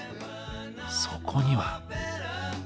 そこには。